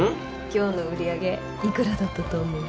今日の売り上げいくらだったと思う？